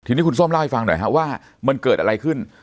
ทีนี้คุณส้มเล่าให้ฟังหน่อยฮะว่ามันเกิดอะไรขึ้น